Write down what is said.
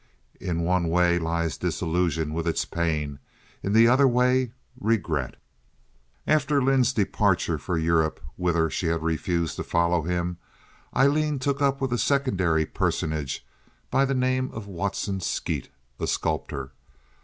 In one way lies disillusion with its pain, in the other way regret. After Lynde's departure for Europe, whither she had refused to follow him, Aileen took up with a secondary personage by the name of Watson Skeet, a sculptor.